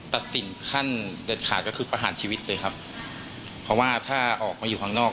ตัดสินขั้นเด็ดขาดก็คือประหารชีวิตเลยครับเพราะว่าถ้าออกมาอยู่ข้างนอก